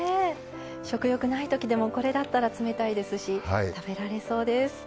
食欲ない時でもこれだったら冷たいですし食べられそうです。